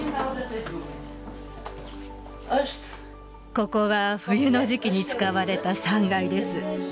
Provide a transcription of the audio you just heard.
ここは冬の時期に使われた３階です